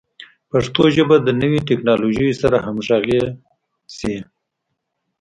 پښتو ژبه د نویو ټکنالوژیو سره همغږي شي.